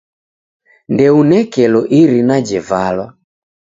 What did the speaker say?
Ndounekelo irina jevalwa.